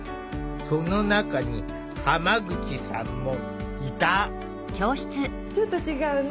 その中に浜口さんもいた。